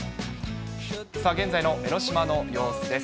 さあ、現在の江の島の様子です。